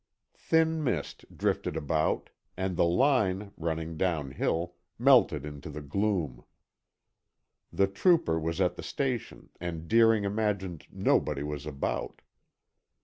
Thin mist drifted about, and the line, running downhill, melted into the gloom. The trooper was at the station and Deering imagined nobody was about.